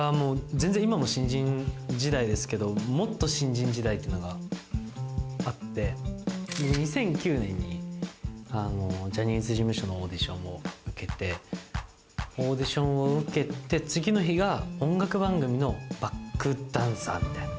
全然今も新人時代ですけど、もっと新人時代っていうのがあって、２００９年にジャニーズ事務所のオーディションを受けて、オーディションを受けて次の日が音楽番組のバックダンサーみたいな。